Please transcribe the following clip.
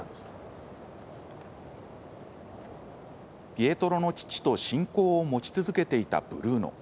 ピエトロの父と親交を持ち続けていたブルーノ。